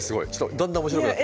だんだん面白くなってきた。